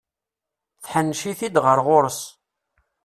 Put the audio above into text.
Tḥennec-it-d ɣer ɣur-s.